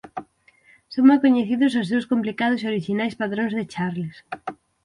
Son moi coñecidos os seus complicados e orixinais patróns de charles.